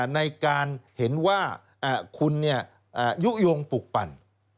ในการเห็นว่าคุณยุโยงปลูกปั่น